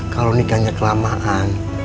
kalau nikahnya kelamaan